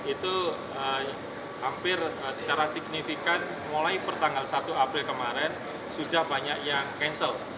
itu hampir secara signifikan mulai pertanggal satu april kemarin sudah banyak yang cancel